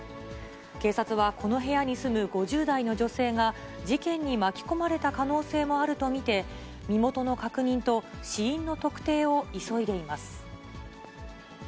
警察は、この部屋に住む５０代の女性が事件に巻き込まれた可能性もあると見て、身元の確認と死因の特定を急いでいます。